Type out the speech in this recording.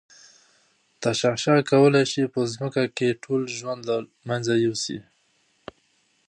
تشعشع کولای شي په ځمکه کې ټول ژوند له منځه یوسي.